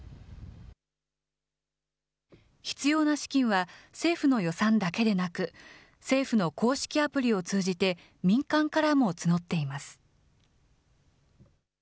必要な資金は、政府の予算だけでなく、政府の公式アプリを通じて、民間からも募っています。